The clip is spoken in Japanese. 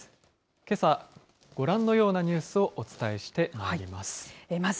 けさ、ご覧のようなニュースをお伝えしてまいります。